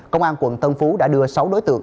công an quận tân phú đã đưa sáu đối tượng